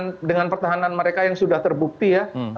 dengan pertahanan mereka yang sudah terbukti ya